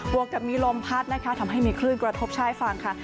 วกกับมีลมพัดนะคะทำให้มีคลื่นกระทบชายฝั่งค่ะ